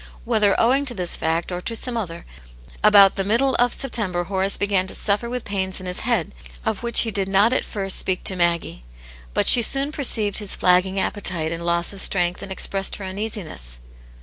Whether owing to this fact or to some other, about the middle of September Horace began to suffer with pains in his head, of which he did not at first speak to Maggie. But she soon perceived his flagging appetite and loss of strength and expressed her uneasiness.